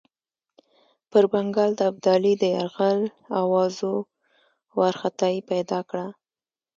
پر بنګال د ابدالي د یرغل آوازو وارخطایي پیدا کړه.